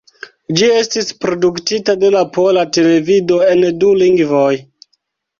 Ĝi estis produktita de la Pola Televido en du lingvoj.